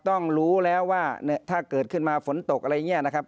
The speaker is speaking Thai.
ต้องรู้แล้วว่าถ้าเกิดขึ้นมาฝนตกอะไรอย่างนี้นะครับ